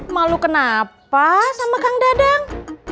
malu kenapa sama kang dadang